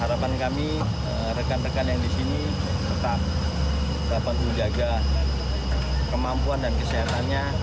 harapan kami rekan rekan yang di sini tetap dapat menjaga kemampuan dan kesehatannya